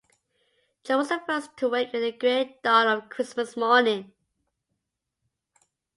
Jo was the first to wake in the gray dawn of Christmas morning.